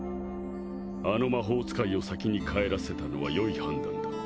あの魔法使いを先に帰らせたのはよい判断だ。